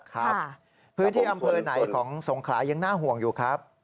ครับพื้นที่อำเภอไหนของสงขลายังน่าห่วงอยู่ครับ